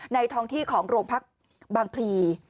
ท้องที่ของโรงพักบางพลี